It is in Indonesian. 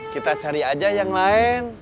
kita cari aja yang lain